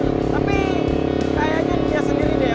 tapi kayaknya dia sendiri deh yang rela berkorban buat gue